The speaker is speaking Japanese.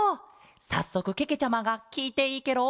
さっそくけけちゃまがきいていいケロ？